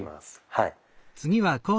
はい。